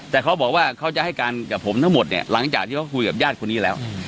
แต่เขาบอกว่าเขาจะให้การกับผมทั้งหมดเนี่ยหลังจากที่เขาคุยกับญาติคนนี้แล้ว